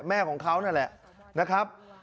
แม่ของเขานั่นแหละนะครับ